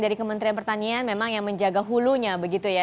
dari kementerian pertanian memang yang menjaga hulunya begitu ya